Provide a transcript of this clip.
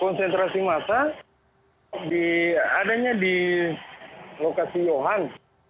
konsentrasi massa adanya di lokasi johan